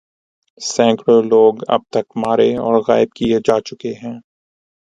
سینکڑوں لوگ اب تک مارے اور غائب کئے جا چکے ہیں